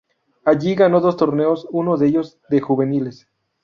Allí ganó dos torneos, uno de ellos, de juveniles.